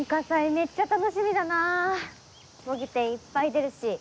めっちゃ楽しみだな模擬店いっぱい出るし。